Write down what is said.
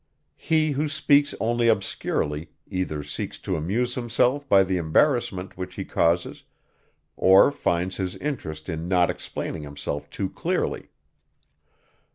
He, who speaks only obscurely, either seeks to amuse himself by the embarrassment, which he causes, or finds his interest in not explaining himself too clearly.